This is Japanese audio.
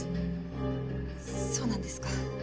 そうなんですか。